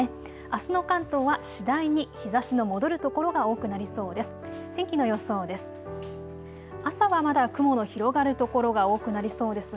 あすの関東は次第に日ざしの戻る所が多くなりそうです。